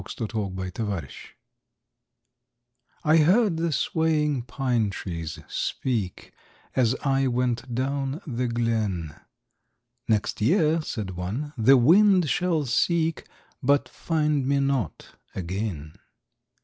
WHAT THE PINE TREES SAID I heard the swaying pine trees speak, As I went down the glen: "Next year," said one, "the wind shall seek, But find me not again!"